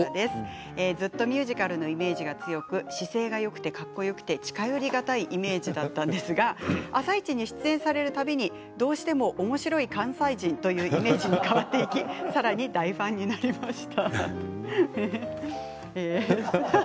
ずっとミュージカルのイメージが強く姿勢がよくてかっこよくて近寄り難いイメージだったんですが「あさイチ」に出演される度にどうしてもおもしろい関西人というイメージに変わっていきさらに大ファンになりました。